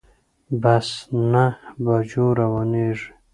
بس نهه بجو روانیږي